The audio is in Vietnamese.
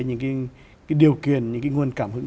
những cái điều kiện những cái nguồn cảm hứng